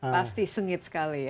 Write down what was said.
pasti sengit sekali ya